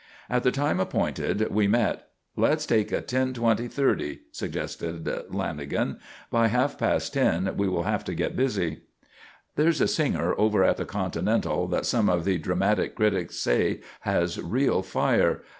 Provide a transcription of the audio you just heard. At the time appointed we met. "Let's take a ten twenty thirty," suggested Lanagan. "By half past ten we will have to get busy. There's a singer over at the Continental that some of the dramatic critics say has real fire.